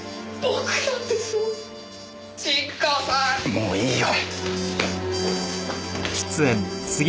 もういいよ。